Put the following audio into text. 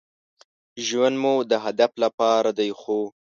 ژوند مو د هدف لپاره دی ،خو